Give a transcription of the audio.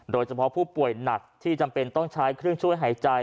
โดยเฉพาะผู้ป่วยหนักที่จำเป็นต้องใช้เครื่องช่วยหายใจ